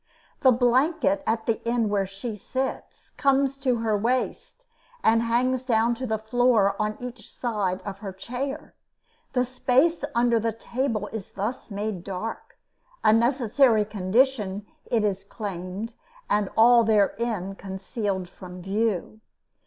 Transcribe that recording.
The blanket, at the end where she sits, comes to her waist and hangs down to the floor on each side of her chair. The space under the table is thus made dark a necessary condition, it is claimed and all therein concealed from view.